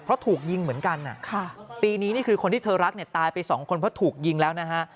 เพราะถูกยิงเหมือนกันปีนี้นี่คือคนที่เธอรักเนี่ยตายไปสองคนเพราะถูกยิงแล้วนะฮะ